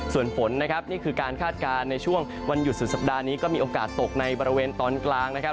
ส่วนฝนนะครับนี่คือการคาดการณ์ในช่วงวันหยุดสุดสัปดาห์นี้ก็มีโอกาสตกในบริเวณตอนกลางนะครับ